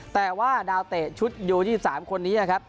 แต่ว่าดาวเตะชุดอยู่ที่สามคนนี้